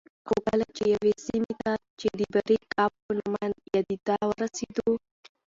خو کله چې یوې سیمې ته چې د باریکآب په نامه یادېده ورسېدو